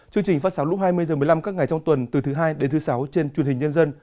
chương trình phát sóng lúc hai mươi h một mươi năm các ngày trong tuần từ thứ hai đến thứ sáu trên truyền hình nhân dân